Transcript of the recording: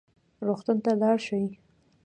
روغتون ته لاړ شئ